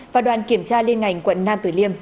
và đoàn kiểm tra liên ngành quận nam tử liêm